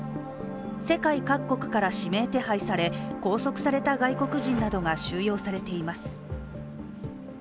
世界各国から指名手配され拘束された外国人などが収容されています。